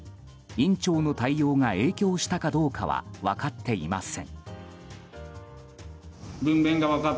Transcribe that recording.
院長の対応が影響したかどうかは分かっていません。